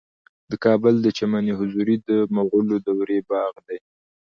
د کابل د چمن حضوري د مغلو دورې باغ دی